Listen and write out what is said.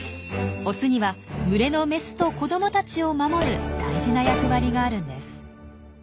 オスには群れのメスと子どもたちを守る大事な役割があるんです。